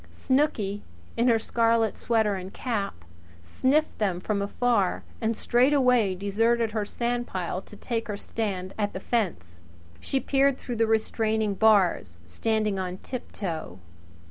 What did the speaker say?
Snooky, in her scarlet sweater and cap, sniffed them from afar and straightway deserted her sandpile to take her stand at the fence. She peered through the restraining bars, standing on tiptoe.